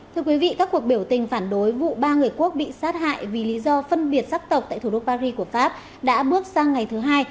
thưa quý vị các cuộc biểu tình phản đối vụ ba người quốc bị sát hại vì lý do phân biệt sắc tộc tại thủ đô paris của pháp đã bước sang ngày thứ hai